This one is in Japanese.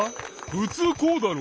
ふつうこうだろ！